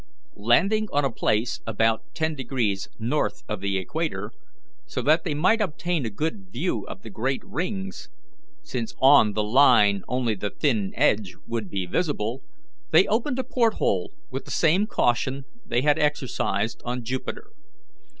Landing on a place about ten degrees north of the equator, so that they might obtain a good view of the great rings since ON the line only the thin edge would be visible they opened a port hole with the same caution they had exercised on Jupiter.